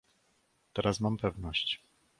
"Teraz mam pewność."